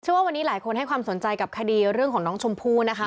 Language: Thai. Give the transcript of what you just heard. ว่าวันนี้หลายคนให้ความสนใจกับคดีเรื่องของน้องชมพู่นะคะ